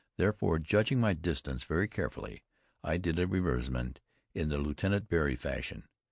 Therefore, judging my distance very carefully, I did a renversement in the Lieutenant Barry fashion.